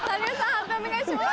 判定お願いします。